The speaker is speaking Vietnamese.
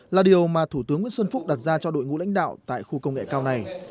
là điều mà thủ tướng nguyễn xuân phúc đặt ra cho đội ngũ lãnh đạo tại khu công nghệ cao này